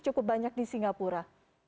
cukup banyak di singapura